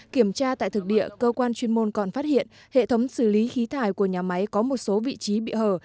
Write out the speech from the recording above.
kiểm tra tại thực địa cơ quan chuyên môn còn phát hiện hệ thống xử lý khí thải của nhà máy có một số vị trí bị hở